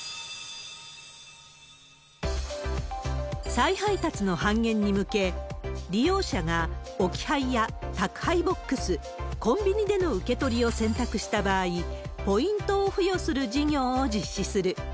再配達の半減に向け、利用者が置き配や宅配ボックス、コンビニでの受け取りを選択した場合、ポイントを付与する事業を実施する。